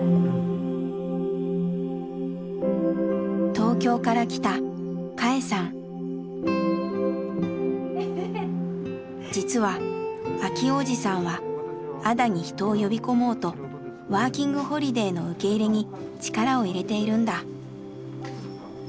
東京から来た実は明男おじさんは安田に人を呼び込もうとワーキングホリデーの受け入れに力をいれているんだ。